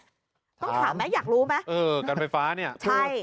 ต้องถามไหมอยากรู้ไหมเออการไฟฟ้าเนี่ยใช่